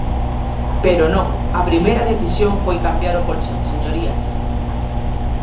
Pero non, a primeira decisión foi cambiar o colchón, señorías.